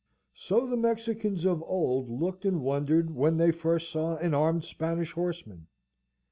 So the Mexicans of old looked and wondered when they first saw an armed Spanish horseman!